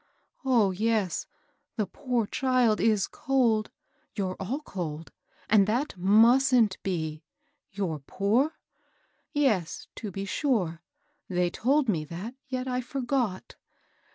Oh, yes, the poor child is cold ; you're all cold, and that mustn't be. You're poor? — yes, to be sure ! they told me that ; yet I forgot